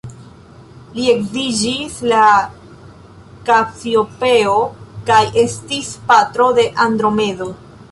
Li edziĝis al Kasiopeo, kaj estis patro de Andromedo.